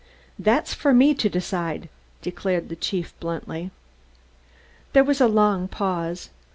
"That's for me to decide," declared the chief bluntly. There was a long pause.